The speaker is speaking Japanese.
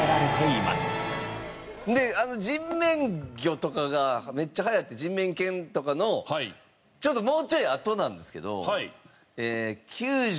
人面魚とかがめっちゃ流行った人面犬とかのちょっともうちょいあとなんですけど９６年ぐらい。